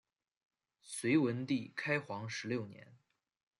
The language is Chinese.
隋文帝开皇十六年。